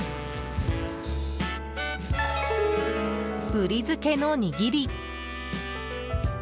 ブリ漬けの握り！